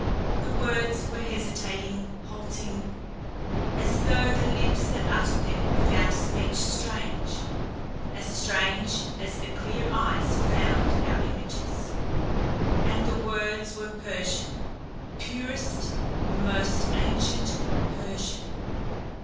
The words were hesitating, halting as though the lips that uttered them found speech strange as strange as the clear eyes found our images. And the words were Persian purest, most ancient Persian.